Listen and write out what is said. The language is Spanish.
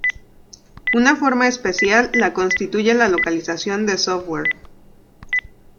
Una forma especial la constituye la localización de software.